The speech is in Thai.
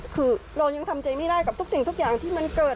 คือเรายังทำใจไม่ได้กับสิ่งที่เกิด